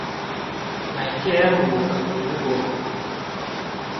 每天五個蘋果